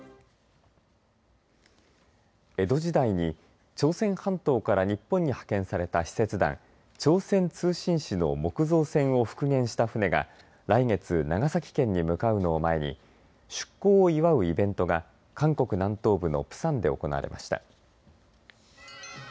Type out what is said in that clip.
江戸時代に朝鮮半島から日本に派遣された使節団、朝鮮通信使の木造船を復元した船が来月長崎県に向かうのを前に出航を祝うイベントが韓国南東部のプサンで行われました。